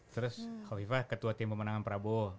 terus khofifah ketua tim pemenangan prabowo